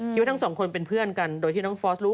คิดว่าทั้งสองคนเป็นเพื่อนกันโดยที่น้องฟอสรู้